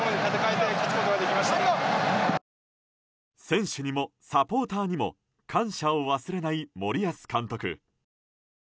選手にもサポーターにも感謝を忘れない森保監督。